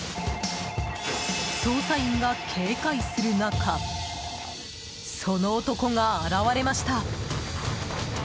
捜査員が警戒する中その男が現れました。